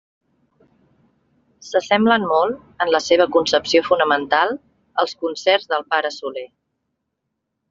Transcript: S'assemblen molt, en la seva concepció fonamental, als concerts del pare Soler.